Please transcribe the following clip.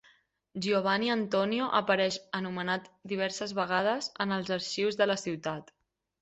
Giovanni Antonio apareix anomenat diverses vegades en els arxius de la ciutat.